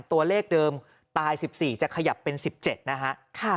ตัวเลขเดิมตาย๑๔จะขยับเป็น๑๗นะฮะ